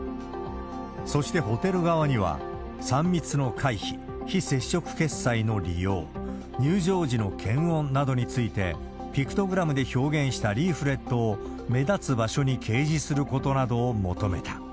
そしてホテル側には、３密の回避、非接触決済の利用、入場時の検温などについて、ピクトグラムで表現したリーフレットを、目立つ場所に掲示することなどを求めた。